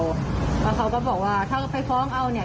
แล้วเขาก็บอกว่าถ้าเขาไปฟ้องเอาเนี่ย